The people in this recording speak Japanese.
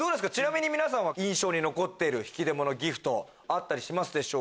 皆さんは印象に残ってる引き出物ギフトあったりしますか？